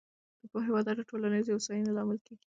د پوهې وده د ټولنیزې هوساینې لامل کېږي.